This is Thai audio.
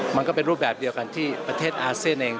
มันก็เป็นรูปแบบเดียวกันที่ประเทศอาเซียนเอง